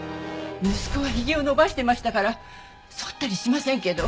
息子はひげを伸ばしてましたから剃ったりしませんけど。